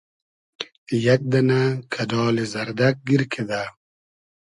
یئگ دئنۂ کئۮالی زئردئگ گیر کیدۂ